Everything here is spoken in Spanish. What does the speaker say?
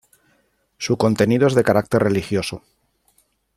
Su contenido es de carácter religioso.